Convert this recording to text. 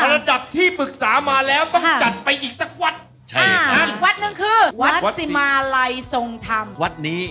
ระดับที่ปรึกษามาแล้วทั้งไปอีกซักวัด